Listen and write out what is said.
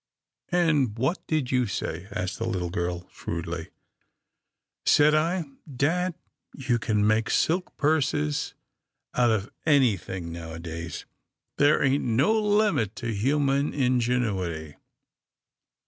" And what did you say ?" asked the little girl, shrewdly. " Said I, ' Dad, you can make silk purses out of anything nowadays. There ain't no limit to human ingenuity.'